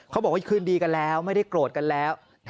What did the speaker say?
บอกว่าคืนดีกันแล้วไม่ได้โกรธกันแล้ว